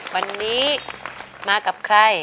วันนี้มากับใคร